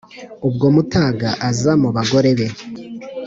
ubwo mutaga aza mu bagore be,